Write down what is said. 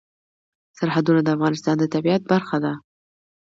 سرحدونه د افغانستان د طبیعت برخه ده.